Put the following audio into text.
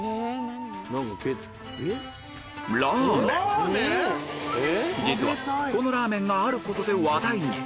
しかし実はこのラーメンがあることで話題に！